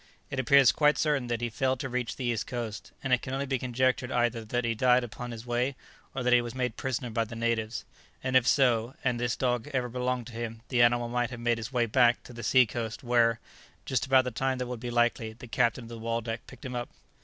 It appears quite certain that he failed to reach the east coast, and it can only be conjectured either that he died upon his way, or that he was made prisoner by the natives; and if so, and this dog ever belonged to him, the animal might have made his way back to the sea coast, where, just about the time that would be likely, the captain of the 'Waldeck' picked him up."